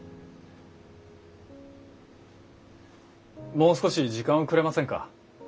もう少し時間をくれませんか？